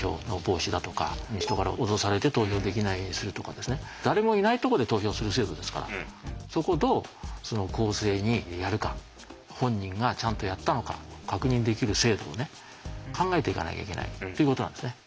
ですから誰もいないとこで投票する制度ですからそこをどう公正にやるか本人がちゃんとやったのか確認できる制度をね考えていかなきゃいけないということなんですね。